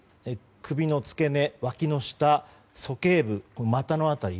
首の付け根、わきの下鼠径部、股の辺り。